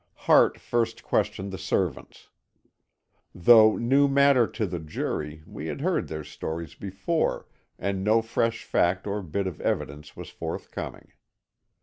Hart first questioned the servants. Though new matter to the jury, we had heard their stories before, and no fresh fact or bit of evidence was forthcoming.